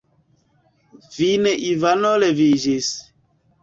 Fine Ivano leviĝis.